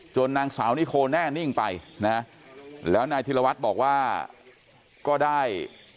นางสาวนิโคแน่นิ่งไปนะแล้วนายธิรวัตรบอกว่าก็ได้